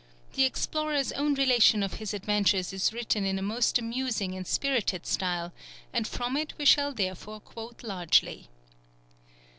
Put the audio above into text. The explorer's own relation of his adventures is written in a most amusing and spirited style, and from it we shall therefore quote largely.